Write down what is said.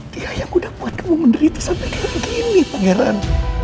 dia yang udah buat kamu menderita sampai kayak gini bang heran